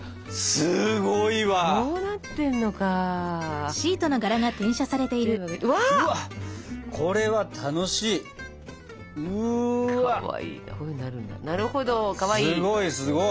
すごいすごい。